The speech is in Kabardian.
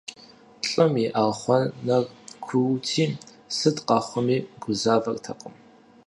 ЛӀым и архъуанэр куути, сыт къэхъуми гузавэртэкъым.